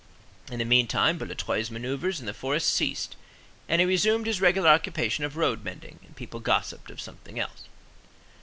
In the meantime, Boulatruelle's manœuvres in the forest ceased; and he resumed his regular occupation of roadmending; and people gossiped of something else.